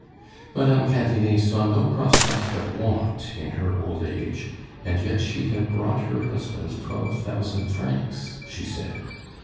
Mme. Cantinet saw no prospect but want in her old age, and yet she had brought her husband twelve thousand francs, she said.